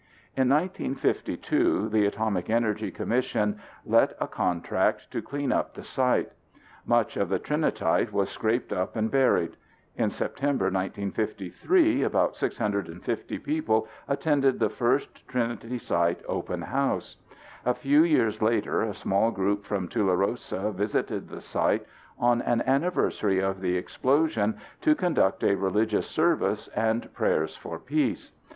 In 1952 the Atomic Energy Commission let a contract to clean up the site. Much of the Trinitite was scraped up and buried. In September 1953 about 650 people attended the first Trinity Site open house. A few years later a small group from Tularosa visited the site on an anniversary of the explosion to conduct a religious service and prayers for peace.